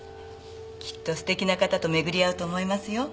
きっと素敵な方と巡り会うと思いますよ。